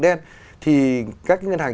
đen thì các ngân hàng